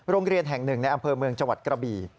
โรงเรียนแห่งหนึ่งในอำเภอเมืองจังหวัดกระบี่